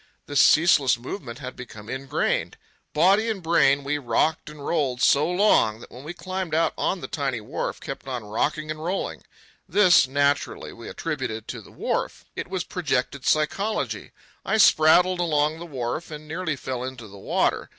This ceaseless movement had become ingrained. Body and brain we had rocked and rolled so long that when we climbed out on the tiny wharf kept on rocking and rolling. This, naturally, we attributed to the wharf. It was projected psychology. I spraddled along the wharf and nearly fell into the water.